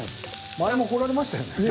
前も来られましたよね。